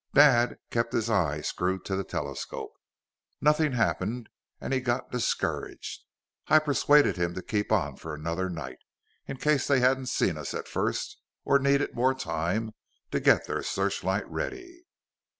Dad kept his eye screwed to the telescope. Nothing happened and he got discouraged. I persuaded him to keep on for another night, in case they hadn't seen us at first; or needed more time to get their searchlight ready.